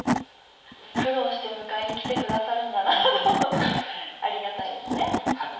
苦労して迎えに来て下さるんだなと思ってありがたいですね。